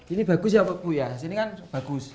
ini bagus ya bu ya sini kan bagus